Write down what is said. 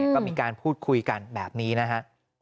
ก็มีการพูดคุยกันแบบนี้นะฮะ